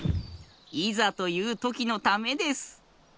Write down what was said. いざというときのためです。